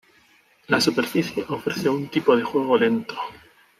La superficie ofrece un tipo de juego lento.